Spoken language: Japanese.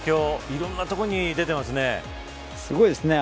いろんなところに出てますね。